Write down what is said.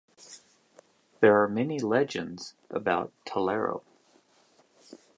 There are many legends about Tellaro.